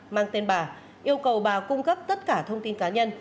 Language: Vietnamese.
mang tên bà yêu cầu bà cung cấp tất cả thông tin cá nhân